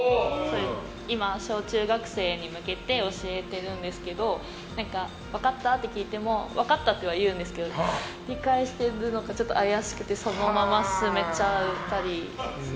今、小中学生に向けて教えているんですけど分かった？って聞いても分かったとは言うんですけど理解してるのかちょっと怪しくてそのまま進めちゃったり。